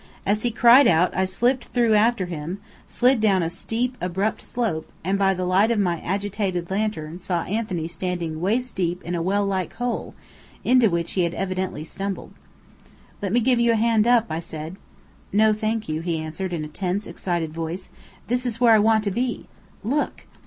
As he cried out, I slipped through after him, slid down a steep, abrupt slope, and by the light of my agitated lantern saw Anthony standing waist deep in a well like hole, into which he had evidently stumbled. "Let me give you a hand up," I said. "No thank you," he answered, in a tense, excited voice. "This is where I want to be. Look!"